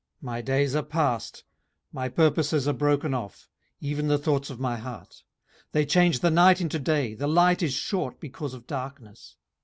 18:017:011 My days are past, my purposes are broken off, even the thoughts of my heart. 18:017:012 They change the night into day: the light is short because of darkness.